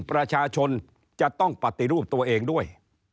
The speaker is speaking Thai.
ประชาชนจะต้องปฏิรูปตัวเองด้วย